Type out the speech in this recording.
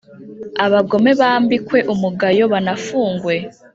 Abagome bambikwe umugayo banafungwe